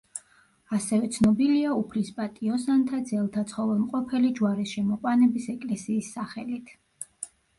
ასევე ცნობილია უფლის პატიოსანთა ძელთა ცხოველმყოფელი ჯვარის შემოყვანების ეკლესიის სახელით.